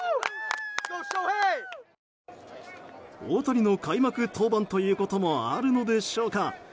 大谷の開幕登板ということもあるのでしょうか。